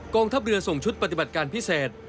งทัพเรือส่งชุดปฏิบัติการพิเศษ